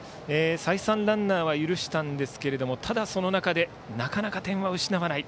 再三ランナーは許したんですけどただその中でなかなか点は失わない。